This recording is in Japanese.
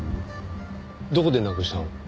どこでなくしたの？